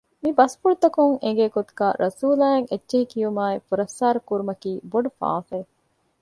މި ބަސްފުޅުތަކުން އެނގޭ ގޮތުގައި ރަސޫލާއަށް އެއްޗެހި ކިޔުމާއި ފުރައްސާރަ ކުރުމަކީ ބޮޑު ފާފައެއް